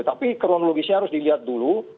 tapi kronologisnya harus dilihat dulu